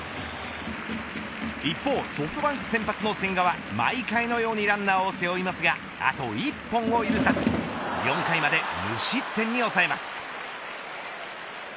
一方ソフトバンク先発の千賀は毎回のようにランナーを背負いますがあと１本を許さず４回まで無失点に抑えます。